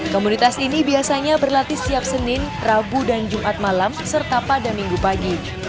komunitas ini biasanya berlatih setiap senin rabu dan jumat malam serta pada minggu pagi